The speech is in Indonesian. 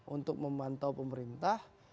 untuk memantau pemerintah